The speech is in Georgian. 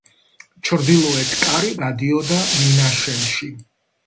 ჩრდილოეთ კარი გადიოდა მინაშენში.